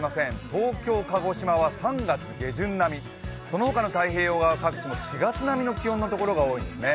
東京、鹿児島は３月下旬並み、そのほかの太平洋側も各地も４月並みの気温のところが多いんですね。